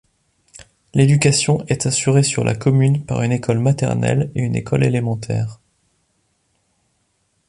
L'éducation est assurée sur la commune par une école maternelle et une école élémentaires.